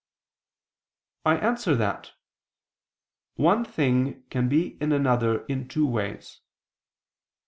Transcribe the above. I answer that, One thing can be in another in two ways.